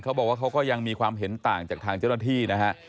เขาบอกว่าเขาก็ยังมีความเห็นต่างจากทางเจ้าหน้าที่นะฮะ